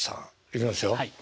いきますよ。